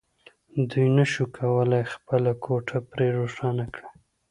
دوی نشوای کولای خپله کوټه پرې روښانه کړي